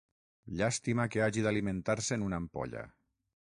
Llàstima que hagi d'alimentar-se en una ampolla.